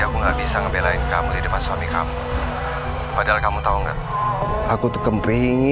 aku tuh udah gak betah tau masih jadi istrinya dia